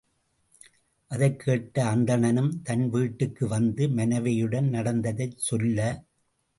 அதைக் கேட்ட அந்தணனும், தன் வீட்டுக்கு வந்து மனைவியிடம் நடந்ததைச் சொல்ல.